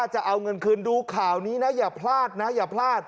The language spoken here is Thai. จะเอาเงินคืนดูข่านี้นะอย่าพลาดนะ